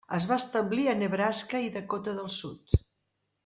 Es van establir a Nebraska i Dakota del Sud.